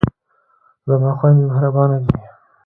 زما خویندې مهربانه دي.